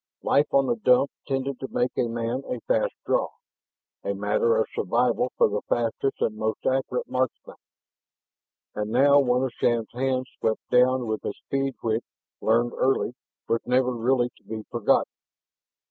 Life on the Dumps tended to make a man a fast draw, a matter of survival for the fastest and most accurate marksman. And now one of Shann's hands swept down with a speed which, learned early, was never really to be forgotten.